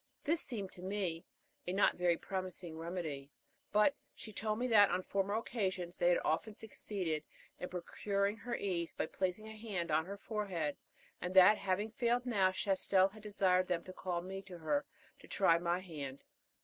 This seemed to me a not very promising remedy; but she told me that on former occasions they had often succeeded in procuring her ease by placing a hand on her forehead, and that having failed now, Chastel had desired them to call me to her to try my hand.